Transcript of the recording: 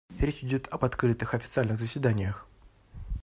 Речь идет об открытых официальных заседаниях.